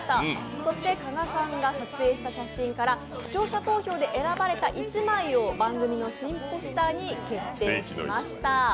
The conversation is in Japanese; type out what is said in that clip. そして加賀さんが撮影した写真から視聴者投票で選ばれた一枚を番組の新ポスターに決定しました。